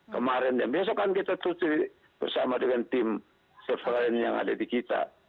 kemarin dan besok kan kita terus bersama dengan tim server lain yang ada di kita